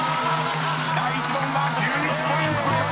［第１問は１１ポイント！］